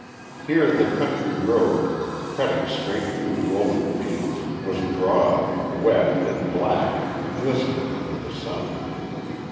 Here the county road, cutting straight through the rolling fields, was broad, wet and black, glistening under the sun.